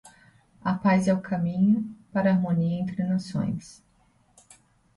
A paz é o caminho para a harmonia entre nações.